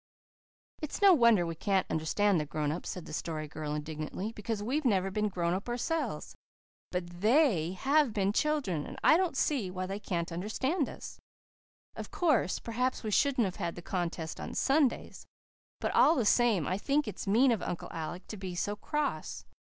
"It's no wonder we can't understand the grown ups," said the Story Girl indignantly, "because we've never been grown up ourselves. But THEY have been children, and I don't see why they can't understand us. Of course, perhaps we shouldn't have had the contest on Sundays. But all the same I think it's mean of Uncle Alec to be so cross.